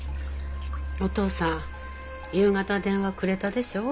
おとうさん夕方電話くれたでしょ？